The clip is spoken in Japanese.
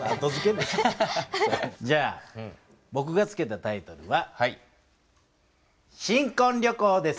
じゃあぼくが付けたタイトルは「新こん旅行」です。